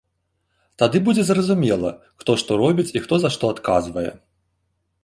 Тады будзе зразумела, хто што робіць і хто за што адказвае.